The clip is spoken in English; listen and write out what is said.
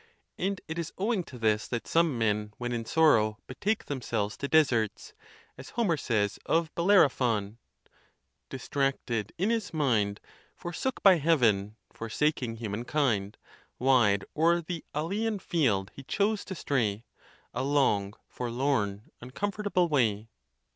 And it is owing to this that some men, when in sor row, betake themselves to deserts, as Homer says of Bel lerophon: Distracted in his mind, Forsook by heaven, forsaking human kind, Wide o'er the Aleian field he chose to stray, A long, forlorn, uncomfortable way